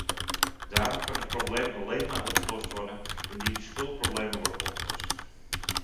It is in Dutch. Daarom kan het probleem alleen maar opgelost worden, indien de schuldproblemen worden opgelost.